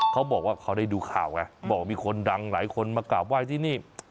เขาบอกว่าเขาได้ดูข่าวไงบอกมีคนดังหลายคนมากราบไหว้ที่นี่